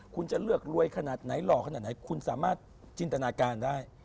คุณจะเลือกรวยขนาดไหนหล่อขนาดไหนคุณสามารถจินตนาการได้